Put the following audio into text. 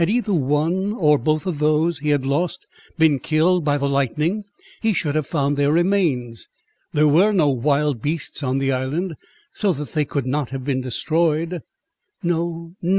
Had either one, or both of those he had lost, been killed by the lightning, he should have found their remains. There were no wild beasts on the island, so that they could not have been destroyed.—"No! no!